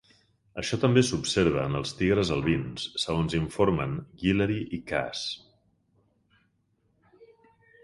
Això també s'observa en els tigres albins, segons informen Guillery i Kaas.